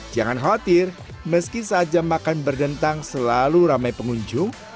jangan khawatir meski saat jam makan berdentang selalu ramai pengunjung